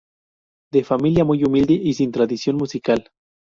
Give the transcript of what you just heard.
De familia muy humilde, y sin tradición musical.